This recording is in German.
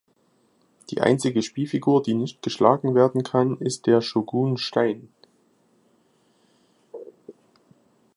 Die einzige Spielfigur, die nicht geschlagen werden kann, ist der Shogun-Stein.